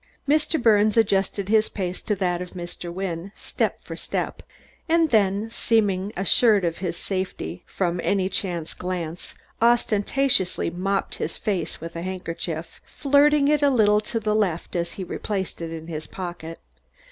Mr. Birnes adjusted his pace to that of Mr. Wynne, step for step, and then, seeming assured of his safety from any chance glance, ostentatiously mopped his face with a handkerchief, flirting it a little to the left as he replaced it in his pocket.